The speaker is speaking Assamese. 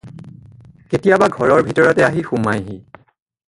কেতিয়াবা ঘৰৰ ভিতৰতে আহি সোমায়হি।